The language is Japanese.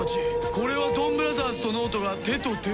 これはドンブラザーズと脳人が手と手を。